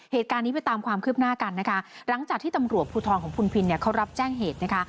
เหตุการณ์นี้ไปตามความคืบหน้ากันนะคะหลังจากที่ตำรวจภูทรของคุณพินเนี่ยเขารับแจ้งเหตุนะคะ